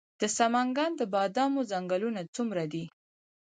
د سمنګان د بادامو ځنګلونه څومره دي؟